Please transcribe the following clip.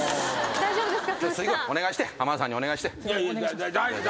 大丈夫ですか？